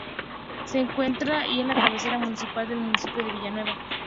Se encuentra y es la cabecera municipal del Municipio de Villanueva.